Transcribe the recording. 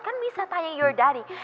kan bisa tanya your daddy